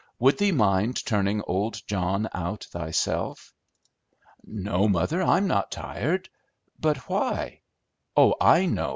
"Would thee mind turning old John out thyself?" "No, mother, I'm not tired. But why? Oh, I know!"